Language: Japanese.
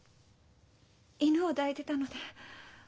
犬を抱いてたので。